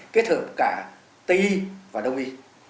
kết hợp cả tây y và đông y